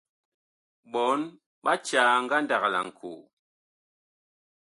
Ɓɔɔŋ ɓa caa ngandag laŋkoo.